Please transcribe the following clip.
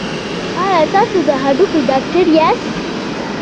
ایا تاسو د هډوکو ډاکټر یاست؟